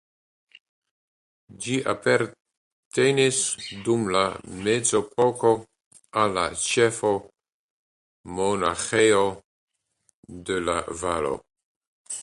Ĝi apartenis dum la Mezepoko al la ĉefa monaĥejo de la valo.